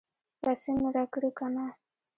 پیسې مې راکړې که نه؟